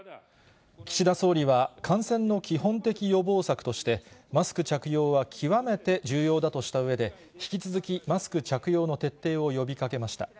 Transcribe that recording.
岸田総理は、感染の基本的予防策として、マスク着用は極めて重要だとしたうえで、引き続きマスク着用の徹底を呼びかけました。